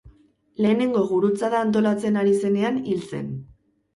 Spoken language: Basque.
Lehenengo Gurutzada antolatzen ari zenean hil zen.